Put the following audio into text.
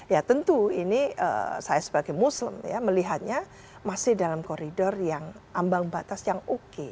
ya tentu ini saya sebagai muslim ya melihatnya masih dalam koridor yang ambang batas yang oke